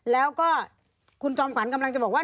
แล้วก็คุณจอมขวัญกำลังจะบอกว่า